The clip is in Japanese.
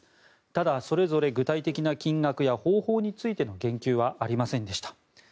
ただ、それぞれ具体的な金額や方法についての言及はありませんでした。